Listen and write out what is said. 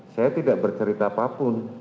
saya tidak bercerita apapun